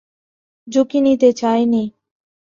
ঝুঁকি নিতে চাইনি।